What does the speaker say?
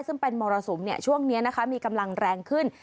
ซึ่งเป็นมรสุมช่วงนี้นะคะมีกำลังแรงขึ้น